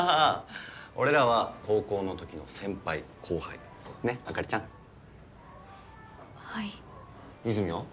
俺らは高校のときの先輩後輩ねっあかりちゃんはい和泉は？